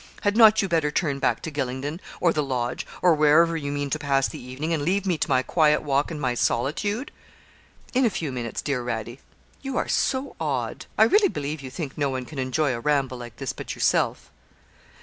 Had not you better turn back to Gylingden, or the Lodge, or wherever you mean to pass the evening, and leave me to my quiet walk and my solitude?' 'In a few minutes, dear Radie you are so odd. I really believe you think no one can enjoy a ramble like this but yourself.'